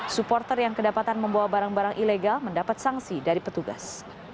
supporter yang kedapatan membawa barang barang ilegal mendapat sanksi dari petugas